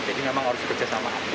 jadi memang harus bekerja sama hati